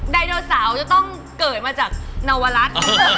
ไดโนเสาร์จะต้องเกิดมาจากนวรัฐ